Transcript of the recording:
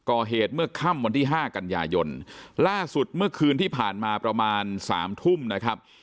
เมื่อค่ำวันที่ห้ากันยายนล่าสุดเมื่อคืนที่ผ่านมาประมาณสามทุ่มนะครับ